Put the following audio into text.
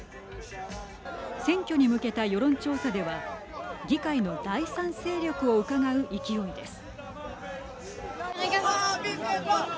選挙に向けた世論調査では議会の第３勢力をうかがう勢いです。